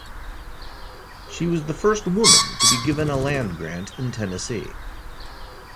She was the first woman to be given a land grant in Tennessee.